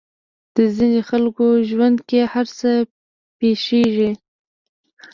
د ځينې خلکو ژوند کې هر څه پېښېږي.